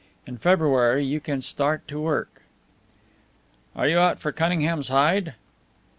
In February you can start to work." "Are you out for Cunningham's hide?"